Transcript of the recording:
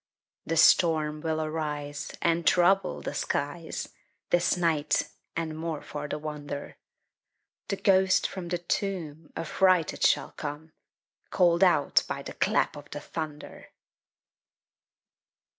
The storm will arise, And trouble the skies This night; and, more for the wonder, The ghost from the tomb Affrighted shall come, Call'd out by the clap of the thunder.